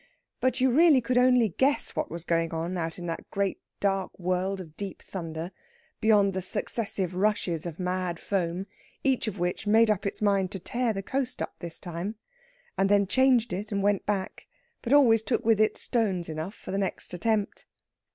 But you really could only guess what was going on out in that great dark world of deep thunder, beyond the successive rushes of mad foam, each of which made up its mind to tear the coast up this time; and then changed it and went back, but always took with it stones enough for next attempt.